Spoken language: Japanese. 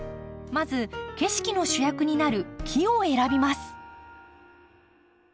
まず景色の主役になる木を選びます。